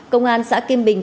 công an xã kim bình